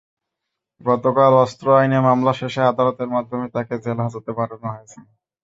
গতকাল অস্ত্র আইনে মামলা শেষে আদালতের মাধ্যমে তাঁকে জেলহাজতে পাঠানো হয়েছে।